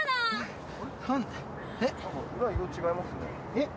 えっ？